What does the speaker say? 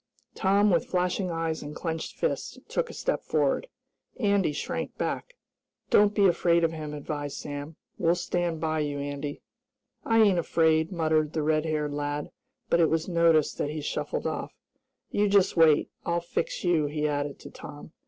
Tom, with flashing eyes, and clenched fists, took a step forward. Andy shrank back. "Don't be afraid of him," advised Sam. "We'll stand by you, Andy." "I ain't afraid," muttered the red haired lad, but it was noticed that he shuffled off. "You just wait, I'll fix you," he added to Tom.